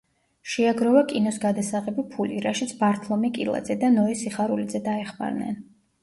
შეაგროვა კინოს გადასაღები ფული, რაშიც ბართლომე კილაძე და ნოე სიხარულიძე დაეხმარნენ.